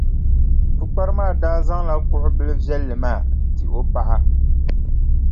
Pukpara maa daa zaŋla kuɣʼ bilʼ viɛlli maa n-ti o paɣa.